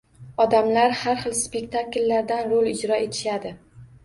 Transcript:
Odamlar har xil spektakllardan rol ijro etishadi.